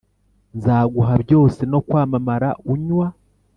nzaguha byose no kwamamara unywa